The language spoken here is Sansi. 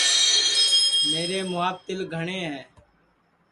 میرے مُھواپ تیل گھٹؔے ہے